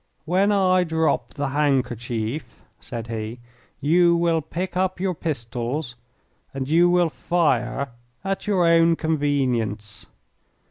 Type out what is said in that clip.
"When I drop the handkerchief," said he, "you will pick up your pistols and you will fire at your own convenience.